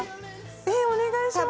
えぇお願いします。